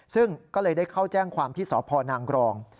ซึ่งก็เลยได้เข้าแจ้งความที่สพนางกรอง